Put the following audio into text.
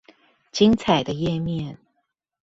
精彩的頁面